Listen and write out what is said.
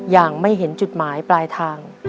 อย่างไม่เห็นจุดหมายปลายทาง